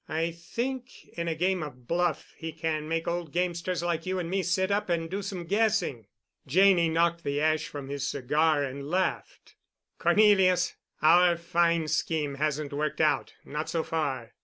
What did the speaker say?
I think in a game of bluff he can make old gamesters like you and me sit up and do some guessing." Janney knocked the ash from his cigar and laughed. "Cornelius, our fine scheme hasn't worked out—not so far.